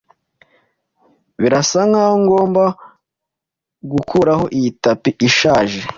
Birasa nkaho ngomba gukuraho iyi tapi ishaje.